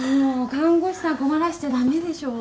看護師さん困らせちゃ駄目でしょ。